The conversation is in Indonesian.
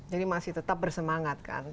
jadi masih tetap bersemangat kan